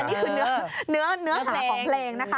นี่คือเนื้อหาของเพลงนะคะ